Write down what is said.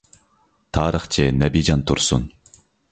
تارىخچى نەبىجان تۇرسۇن.